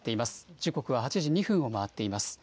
時刻は８時２分を回っています。